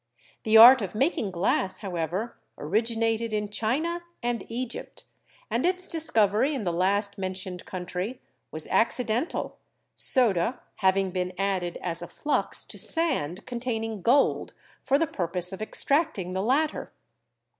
The art of making glass, however, originated in China and Egypt, and its discovery in the last mentioned country was accidental, soda having been addecl as a flux to sand containing gold for the purpose of extracting the latter.